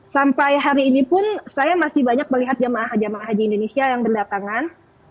sampai hari ini pun saya masih banyak melihat jamaah jamaah haji indonesia yang berdatangan